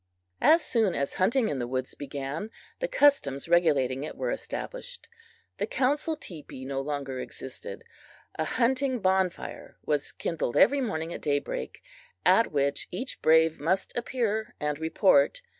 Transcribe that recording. As soon as hunting in the woods began, the customs regulating it were established. The council teepee no longer existed. A hunting bonfire was kindled every morning at day break, at which each brave must appear and report.